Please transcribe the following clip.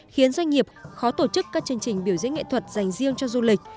khiến doanh nghiệp khó tổ chức các chương trình biểu diễn nghệ thuật dành riêng cho du lịch